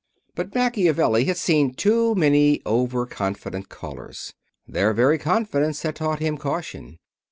But Machiavelli had seen too many overconfident callers. Their very confidence had taught him caution.